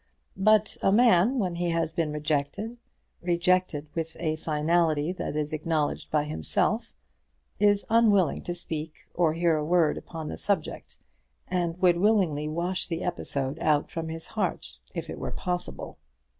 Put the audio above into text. But a man, when he has been rejected, rejected with a finality that is acknowledged by himself, is unwilling to speak or hear a word upon the subject, and would willingly wash the episode out from his heart if it were possible.